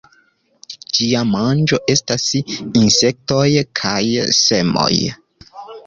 Ĝia manĝo estas insektoj kaj semoj.